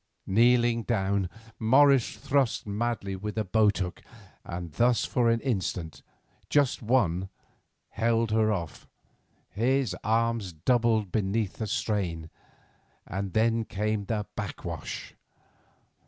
Kneeling down, Morris thrust madly with the boat hook, and thus for an instant—just one—held her off. His arms doubled beneath the strain, and then came the back wash.